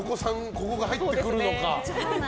ここが入ってくるのか。